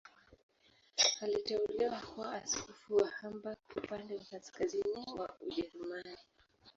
Aliteuliwa kuwa askofu wa Hamburg, upande wa kaskazini wa Ujerumani.